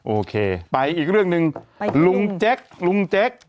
โอเคไปอีกเรื่องหนึ่ง